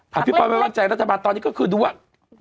พี่ปอยไม่วางใจรัฐบาลตอนนี้ก็คือดูว่า